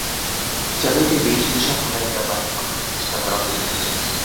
চারুকে বেশভূষা পরাইয়া বাহির করিবার চেষ্টা করা হইল।